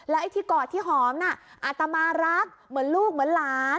ไอ้ที่กอดที่หอมน่ะอาตมารักเหมือนลูกเหมือนหลาน